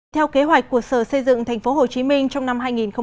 theo kế hoạch của sở xây dựng thành phố hồ chí minh trong năm hai nghìn hai mươi